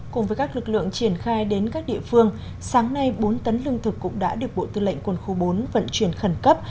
cùng với các lực lượng triển khai đến các địa phương sáng nay bốn tấn lương thực cũng đã được bộ tư lệnh quân khu bốn vận chuyển khẩn cấp